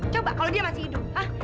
coba kalau dia masih hidup ah